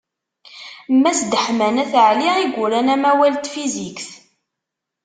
Mass Deḥman At Ɛli i yuran amawal n tfizikt.